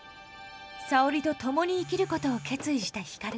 沙織と共に生きることを決意した光。